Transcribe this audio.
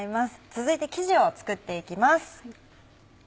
続いて生地を作っていきます。